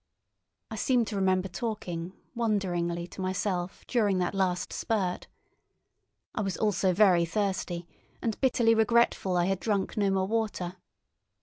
I seem to remember talking, wanderingly, to myself during that last spurt. I was also very thirsty, and bitterly regretful I had drunk no more water.